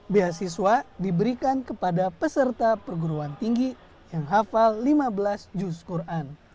beasiswa diberikan kepada peserta perguruan tinggi yang hafal lima belas juz quran